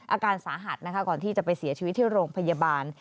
อาการสาหัสนะคะก่อนที่จะไปเสียชีวิตที่โรงพยาบาล